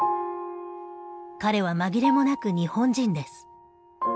彼は紛れもなく日本人です。